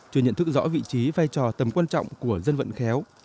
chưa nhận thức rõ vị trí vai trò tầm quan trọng của dân vận khéo